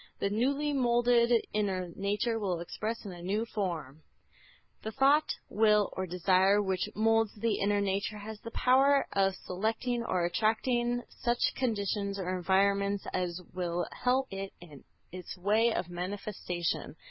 The newly moulded inner nature will express in a new form." (Bhagavad Gîtâ.) The thought, will or desire which moulds the inner nature has the power of selecting or attracting such conditions or environments as will help it in its way of manifestation.